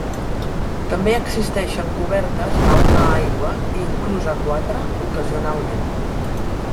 També existixen cobertes a una aigua i inclús a quatre, ocasionalment.